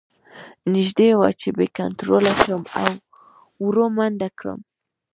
نږدې وه چې بې کنتروله شم او ور منډه کړم